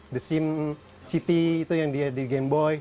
the sim city itu yang di game boy